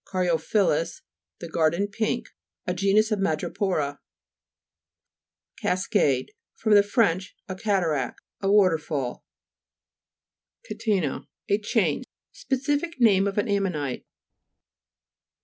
caryo' phyllus, the garden pink. A genus of Ma'drepo'ra (p. 141). CAS'CADE fr. fr. A cataract ; a water fall. CATE'NA Lat. A chain. Specific name of an ammonite (p.